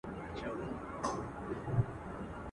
هم په زور كي موږكان نه وه زمري وه.